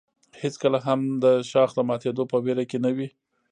هېڅکله هم د شاخ د ماتېدو په ویره کې نه وي.